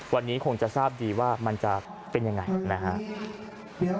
วันนี้คงจะทราบดีว่ามันจะเป็นยังไงนะครับ